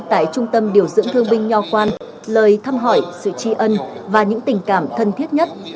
tại trung tâm điều dưỡng thương binh nho quan lời thăm hỏi sự tri ân và những tình cảm thân thiết nhất